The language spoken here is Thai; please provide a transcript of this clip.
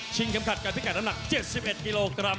เข็มขัดการพิกัดน้ำหนัก๗๑กิโลกรัม